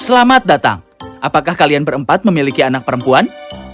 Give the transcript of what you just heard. selamat datang apakah kalian berempat memiliki anak perempuan